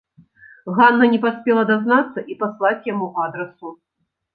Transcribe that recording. Ганна не паспела дазнацца і паслаць яму адрасу.